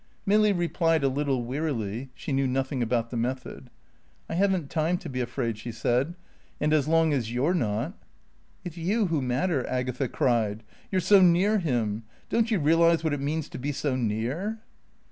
Milly replied a little wearily (she knew nothing about the method). "I haven't time to be afraid," she said. "And as long as you're not " "It's you who matter," Agatha cried. "You're so near him. Don't you realise what it means to be so near?"